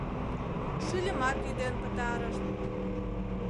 Шӱльымат ӱден пытарышт.